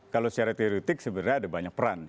kalau secara teoretik sebenarnya ada banyak peran